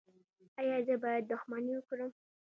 ایا زه باید دښمني وکړم؟